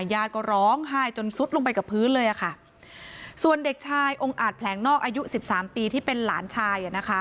ญาติก็ร้องไห้จนซุดลงไปกับพื้นเลยอะค่ะส่วนเด็กชายองค์อาจแผลงนอกอายุสิบสามปีที่เป็นหลานชาย